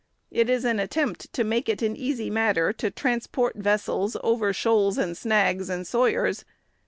It is an attempt to make it an easy matter to transport vessels over shoals and snags, and sawyers.